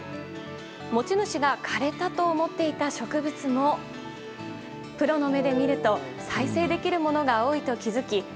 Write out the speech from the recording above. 持ち主が枯れたと思っていた植物もプロの目で見ると再生できるものが多いと気付き